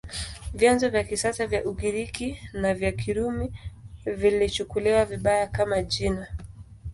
Vyanzo vya kisasa vya Ugiriki na vya Kirumi viliichukulia vibaya, kama jina.